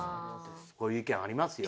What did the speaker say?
こういう意見ありますよ。